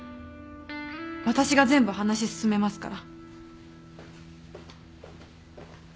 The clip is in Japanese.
私が全部話進めますから。